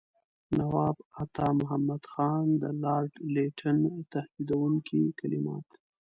نواب عطامحمد خان د لارډ لیټن تهدیدوونکي کلمات.